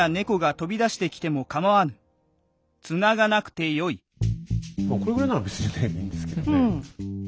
まあこれぐらいなら別にねいいんですけどね。